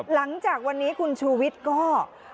หลังจากวันนี้คุณชูวิทย์ก็